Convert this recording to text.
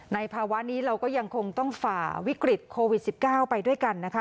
ภาวะนี้เราก็ยังคงต้องฝ่าวิกฤตโควิด๑๙ไปด้วยกันนะคะ